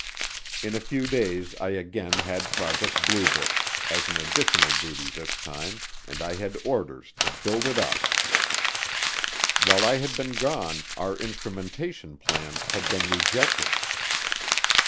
In a few days I again had Project Blue Book, as an additional duty this time, and I had orders to "build it up." While I had been gone, our instrumentation plan had been rejected.